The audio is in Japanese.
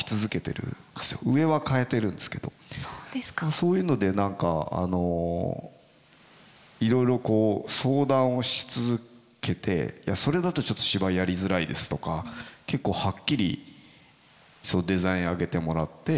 そういうので何かいろいろ相談をし続けて「いやそれだとちょっと芝居やりづらいです」とか結構はっきりデザイン上げてもらって。